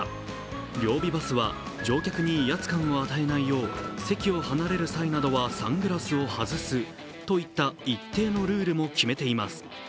両備バスは、乗客に威圧感を与えないよう席を離れる際などはサングラスを外すといった一定のルールも決めています。